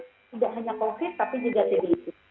tidak hanya covid tapi juga tbip